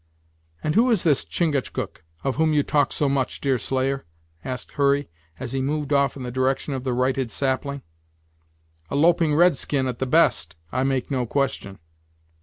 "And who is this Chingachgook, of whom you talk so much, Deerslayer!" asked Hurry, as he moved off in the direction of the righted sapling; "a loping red skin, at the best, I make no question."